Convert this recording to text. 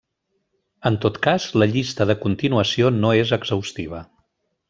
En tot cas, la llista de continuació no és exhaustiva.